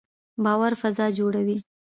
باور فضا جوړوي